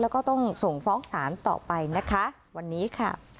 แล้วก็ต้องส่งฟ้องศาลต่อไปนะคะวันนี้ค่ะ